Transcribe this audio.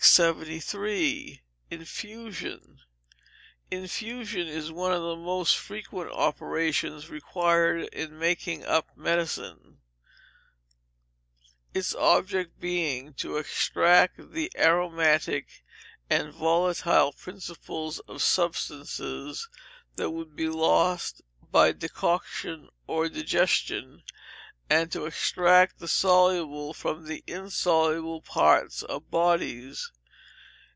Infusion. Infusion is one of the most frequent operations required in making up medicines, its object being to extract the aromatic and volatile principles of substances, that would be lost by decoction, or digestion; and to extract the soluble from the insoluble parts of bodies.